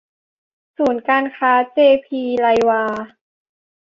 ศูนย์การค้าเจ.พี.ไรวา